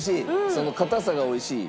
その硬さが美味しい。